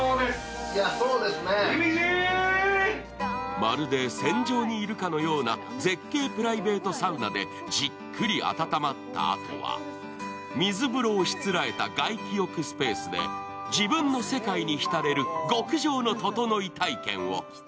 まるで船上にいるかのような絶景プライベートサウナでじっくり温まったあとは、水風呂をしつらえた外気浴スペースで自分の世界に浸れる極上のととのい体験を。